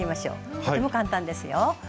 とても簡単ですよ。